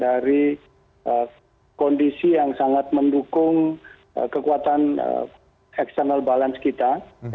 dari kondisi yang sangat mendukung kekuatan external balance kita